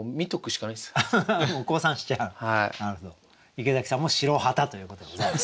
池崎さんも白旗ということでございます。